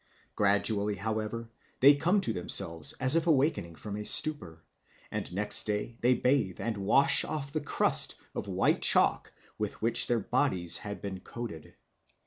Gradually, however, they come to themselves as if awakening from a stupor, and next day they bathe and wash off the crust of white chalk with which their bodies had been coated.